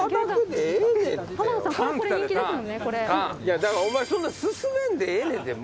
だからお前そんなすすめんでええねんて。